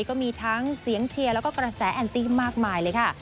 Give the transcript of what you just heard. ก็มีทั้งเสียงเชียร์แล้วก็กระแสแอนตี้มากมายเลยค่ะ